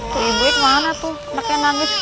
tuh ibunya kemana tuh makanya nangis